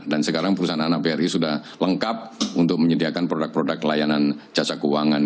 dan sekarang perusahaan ana bri sudah lengkap untuk menyediakan produk produk layanan jasa keuangan